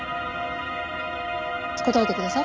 答えてください。